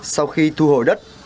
sau khi thu hồi đất